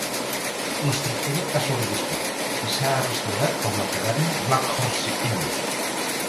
L'estructura ha sobreviscut i s'ha restaurat com la taverna Black Horse Inn.